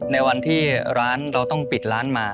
ในวันที่ร้านเราต้องปิดร้านมา